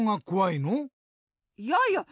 いやいや！